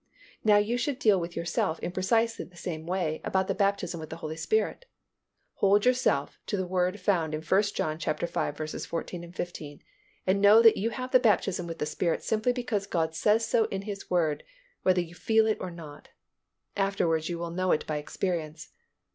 Now you should deal with yourself in precisely the same way about the baptism with the Holy Spirit. Hold yourself to the word found in 1 John v. 14, 15, and know that you have the baptism with the Spirit simply because God says so in His Word, whether you feel it or not. Afterwards you will know it by experience.